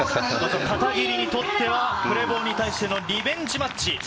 片桐にとってはプレボーに対してのリベンジマッチ。